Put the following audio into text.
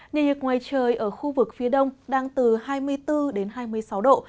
nền nhiệt ngoài trời ở khu vực phía đông đang từ hai mươi bốn đến hai mươi sáu độ